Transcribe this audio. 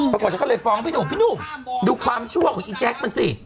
ฉันก็เลยฟ้องพี่หนุ่มพี่หนุ่มดูความชั่วของอีแจ๊คมันสิ